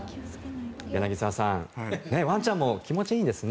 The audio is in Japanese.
柳澤さん、ワンちゃんも気持ちいいんですね。